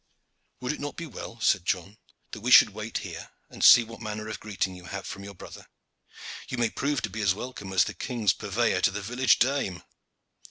"Would it not be well," said John, "that we should wait here, and see what manner of greeting you have from your brother. You may prove to be as welcome as the king's purveyor to the village dame."